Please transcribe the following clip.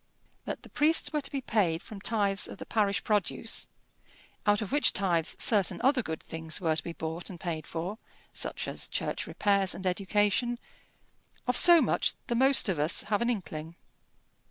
That the priests were to be paid from tithes of the parish produce, out of which tithes certain other good things were to be bought and paid for, such as church repairs and education, of so much the most of us have an inkling.